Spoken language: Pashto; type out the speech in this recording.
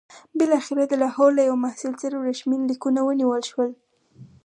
بالاخره د لاهور له یوه محصل سره ورېښمین لیکونه ونیول شول.